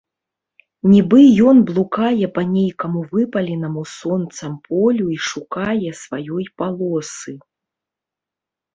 Нiбы ён блукае па нейкаму выпаленаму сонцам полю i шукае сваёй палосы...